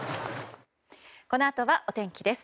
このあとはお天気です。